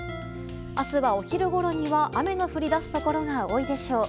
明日は、お昼ごろには雨の降り出すところが多いでしょう。